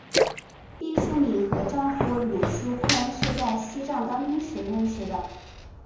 毕淑敏和丈夫芦书坤是在西藏当兵时认识的。